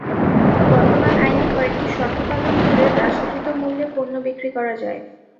বর্তমান আইনে কয়েকটি শর্ত পালন করে হ্রাসকৃত মূল্যে পণ্য বিক্রি করা যায়।